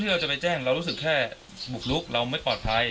เราจะไปแจ้งเรารู้สึกแค่บุกลุกเราไม่ปลอดภัย